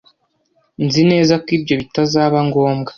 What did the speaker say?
Nzi neza ko ibyo bitazaba ngombwa.